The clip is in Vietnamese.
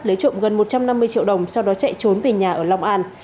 lấy trộm gần một trăm năm mươi triệu đồng sau đó chạy trốn về nhà ở long an